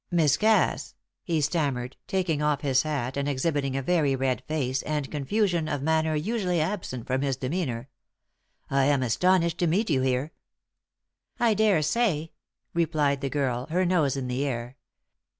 "Miss Cass!" he stammered, taking off his hat and exhibiting a very red face and confusion of manner usually absent from his demeanour. "I am astonished to meet you here." "I daresay," replied the girl, her nose in the air.